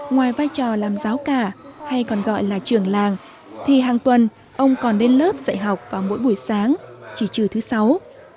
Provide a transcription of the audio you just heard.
ngoài vai trò làm giáo cả hay còn gọi là trường làng thì hàng tuần ông còn đến lớp dạy học vào mỗi buổi sáng chỉ trừ thứ sáu